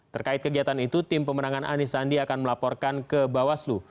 terkait kegiatan itu tim pemenangan anies sandi akan melaporkan ke bawaslu